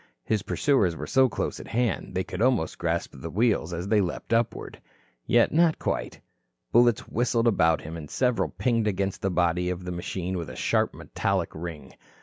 His pursuers were so close at hand they could almost grasp the wheels, as they leaped upward. Yet not quite. Bullets whistled about him, and several pinged against the body of the machine with a sharp metallic ring.